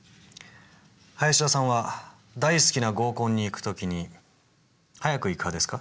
林田さんは大好きな合コンに行く時に早く行く派ですか？